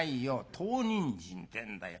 唐人参ってんだよ。